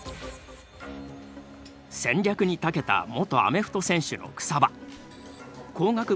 戦略にたけた元アメフト選手の草場工学部